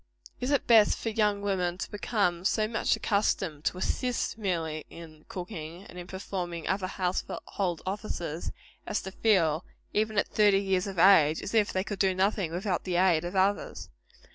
Is it best for young women to become so much accustomed to assist, merely, in cooking, and in performing other household offices, as to feel, even at thirty years of age, as if they could do nothing without the aid of others?